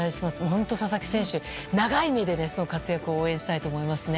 本当に佐々木選手、長い目でその活躍を応援したいと思いますね。